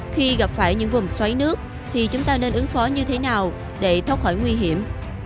khi gặp phải những vùng xoáy nước thì chúng ta nên ứng phó như thế nào để thoát khỏi nguy hiểm